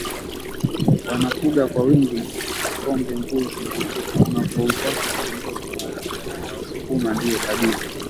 wanafuga kwa wingi ngombembuzi na kwa uchache kondooKwa harakaharaka wasukuma ndio kabila